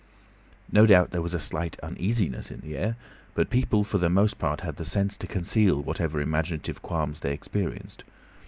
No doubt there was a slight uneasiness in the air, but people for the most part had the sense to conceal whatever imaginative qualms they experienced.